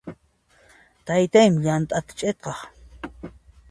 Taytaymi llant'a ch'iqtaq.